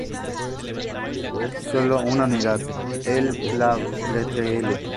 Sólo una unidad, el "Fla.-Btl.